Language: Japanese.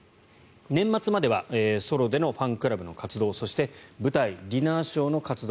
年末まではソロでのファンクラブの活動そして舞台、ディナーショーの活動